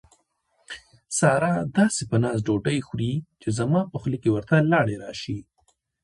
ساره داسې په ناز ډوډۍ خوري، چې زما په خوله کې ورته لاړې راشي.